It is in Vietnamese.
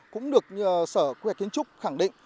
cũng được sở quy hoạch kiến trúc khẳng định